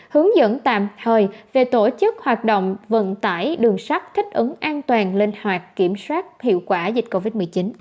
hướng dẫn tạm thời về tổ chức hoạt động vận tải đường sắt thích ứng an toàn linh hoạt kiểm soát hiệu quả dịch covid một mươi chín